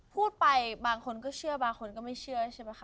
พูดไปบางคนก็เชื่อบางคนก็ไม่เชื่อใช่ไหมคะ